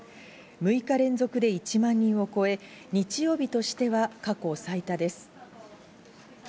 ６日連続で１万人を超え、日曜日としては過去最多です。